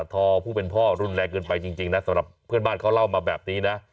ทอผู้เป็นพ่อรุนแรงเกินไปจริงนะสำหรับเพื่อนบ้านเขาเล่ามาแบบนี้นะ